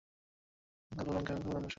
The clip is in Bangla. আলু ও লঙ্কা এখানকার প্রধান ফসল।